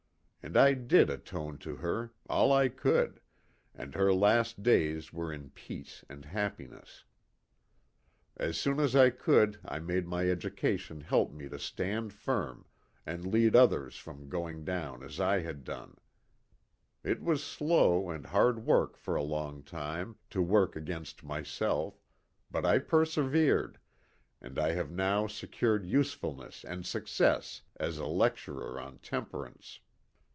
And I did atone to her all I could and her last days were in peace and happiness. THE "DECK HAND." 19 " As soon as I could I made my education help me to stand firm, and lead others from going down as I had done. It was slow and hard work for a long time, to work against myself, but I persevered, and I have now secured usefulness and success as a lecturer on temperance.